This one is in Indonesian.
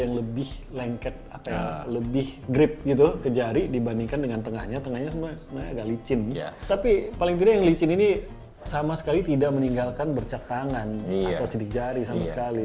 yang paling penting yang licin ini sama sekali tidak meninggalkan bercak tangan atau sidik jari sama sekali